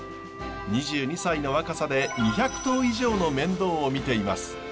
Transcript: ２２歳の若さで２００頭以上の面倒を見ています。